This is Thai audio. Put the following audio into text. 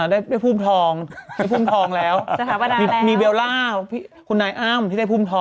ที่ได้ภูมิทองแล้วที่ได้ฝ่วยยด